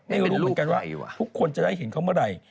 ไม่รู้เหมือนกันว่าทุกคนจะได้เห็นเขาเมื่อไหร่